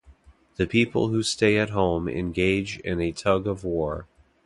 The people who stay at home engage in a tug-of-war.